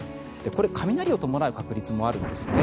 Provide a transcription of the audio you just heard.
これ、雷を伴う確率もあるんですよね。